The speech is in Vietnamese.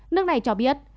nước này cho biết